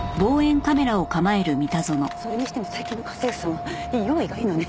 それにしても最近の家政婦さんは用意がいいのね。